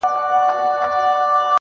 شپې اخیستی لاره ورکه له کاروانه,